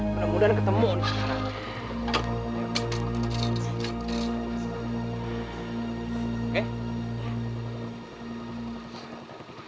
mudah mudahan ketemu nih sekarang